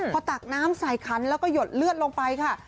พอตักน้ำใส่ขันแล้วก็หยดเลือดลงไปค่ะ